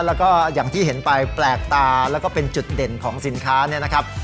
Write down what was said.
แล้วก็อย่างที่เห็นไปแปลกตาแล้วก็เป็นจุดเด่นของสินค้าเนี่ยนะครับ